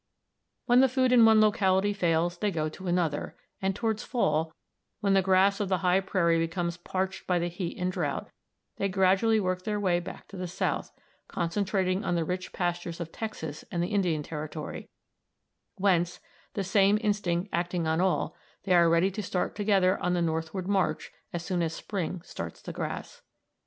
"When the food in one locality fails they go to another, and towards fall, when the grass of the high prairie becomes parched by the heat and drought, they gradually work their way back to the south, concentrating on the rich pastures of Texas and the Indian Territory, whence, the same instinct acting on all, they are ready to start together on the northward march as soon as spring starts the grass."